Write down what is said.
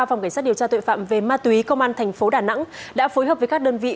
phòng cảnh sát điều tra tội phạm về ma túy công an thành phố đà nẵng đã phối hợp với các đơn vị